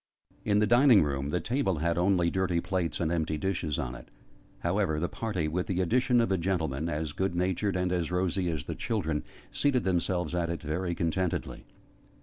In the dining room, the table had only dirty plates and empty dishes on it. However the party with the addition of a gentleman, as good natured, and as rosy, as the children seated themselves at it very contentedly.